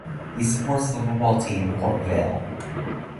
He supports the football team Port Vale.